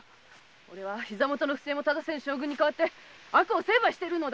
俺は不正も糺せぬ将軍に代わって悪を成敗しているのだ。